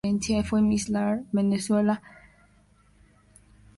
Fue Miss Lara en Miss Venezuela, quedó en las finalistas.